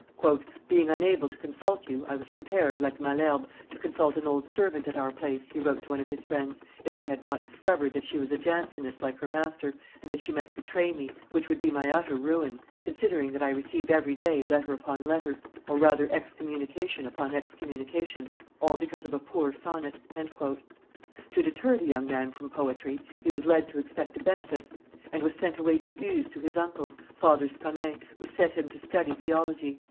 "Being unable to consult you, I was prepared, like Malherbe, to consult an old servant at our place," he wrote to one of his friends, "if I had not discovered that she was a Jansenist like her master, and that she might betray me, which would be my utter ruin, considering that I receive every day letter upon letter, or rather excommunication upon excommunication, all because of a poor sonnet." To deter the young man from poetry, he was led to expect a benefice, and was sent away to Uzes to his uncle's, Father Sconin, who set him to study theology.